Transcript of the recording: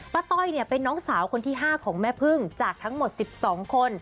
ต้อยเป็นน้องสาวคนที่๕ของแม่พึ่งจากทั้งหมด๑๒คน